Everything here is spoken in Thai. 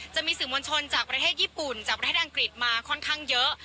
จะมีสื่อมวลชนจากประเทศญี่ปุ่นจากประเทศอังกฤษมาค่อนข้างเยอะ